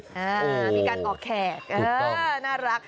อ้าวมีการกำแขกครับคุณตอบน่ารัก